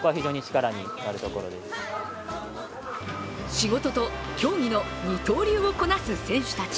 仕事と競技の二刀流をこなす選手たち。